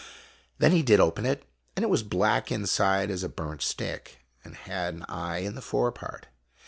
Then he did open it ; and it was black inside as a burnt stick, and had an eye in the fore part.